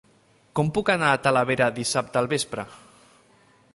Com puc anar a Talavera dissabte al vespre?